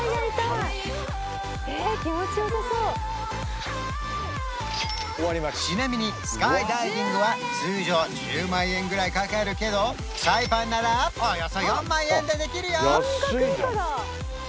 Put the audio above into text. え気持ちよさそうちなみにスカイダイビングは通常１０万円ぐらいかかるけどサイパンならおよそ４万円でできるよ！